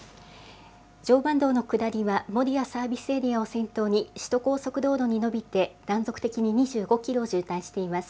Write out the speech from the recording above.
常磐道の下りは、守谷サービスエリアを先頭に、首都高速道路に伸びて断続的に２５キロ渋滞しています。